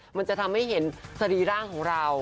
มันจะทำให้เห็นสรีร่างของเรา